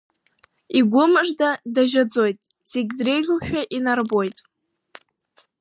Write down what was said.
Игәы мыжда дажьаӡоит, Зегьы дреиӷьушәа инарбоит.